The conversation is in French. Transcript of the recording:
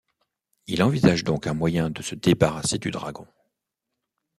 Il envisage donc un moyen de se débarrasser du dragon.